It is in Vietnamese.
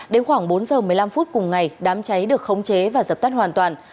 đến khoảng bốn giờ một mươi năm phút cùng ngày đám cháy được khống chế và dập tắt hoàn toàn